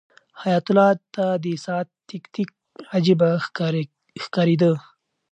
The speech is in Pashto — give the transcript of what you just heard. حیات الله ته د ساعت تیک تیک عجیبه ښکارېده.